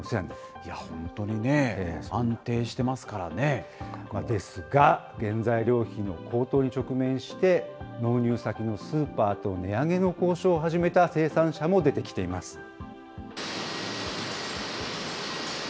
本当にね、安定してますからですが、原材料費の高騰に直面して、納入先のスーパーと値上げの交渉を始めた生産者も出てきています。